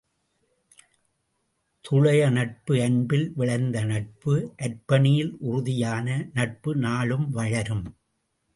துளயநட்பு அன்பில் விளைந்த நட்பு அர்ப்பணிப்பில் உறுதியான நட்பு நாளும் வளரும்.